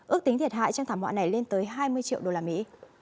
ước tính thiệt hại trong thảm họa này lên tới hai mươi triệu đô la mỹ